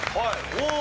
おお！